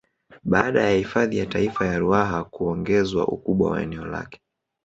Baada ya hifadhi ya Taifa ya Ruaha kuongezwa ukubwa wa eneo lake